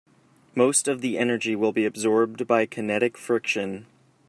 Most of the energy will be absorbed by kinetic friction.